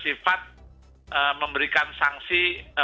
sifat memberikan sanksi